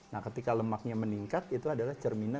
nah ketika lemaknya meningkat itu adalah cerminan dari sel